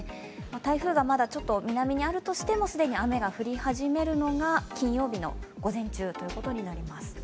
台風がまだちょっと南にあるとしても雨が降り始めるのが金曜日の午前中ということになります。